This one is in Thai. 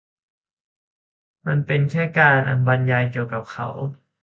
มันเป็นแค่การบรรยายเกี่ยวกับเขา